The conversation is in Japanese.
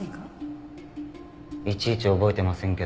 いちいち覚えてませんけど。